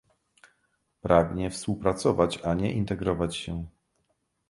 Pragnie współpracować, a nie integrować się